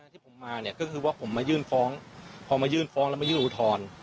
ที่ผมมาเนี่ยก็คือว่าผมมายื่นฟ้องพอมายื่นฟ้องแล้วมายื่นอุทธรณ์